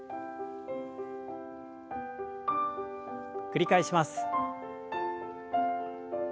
繰り返します。